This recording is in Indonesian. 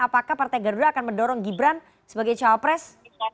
apakah partai garuda akan mendorong gibran sebagai cawapres